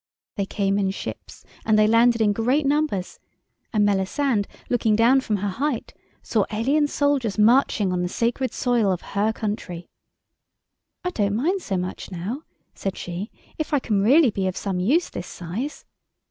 They came in ships and they landed in great numbers, and Melisande looking down from her height saw alien soldiers marching on the sacred soil of her country. "I don't mind so much now," said she, "if I can really be of some use this size."